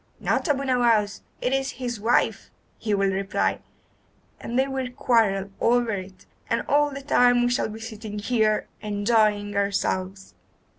'Not Abu Nowas, it is his wife,' he will reply, and they will quarrel over it, and all the time we shall be sitting here enjoying ourselves.